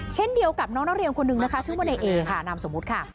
เช่นเดียวกับน้องนักเรียนคนนึงนะคะชื่อว่าในเอค่ะนามสมมุติค่ะ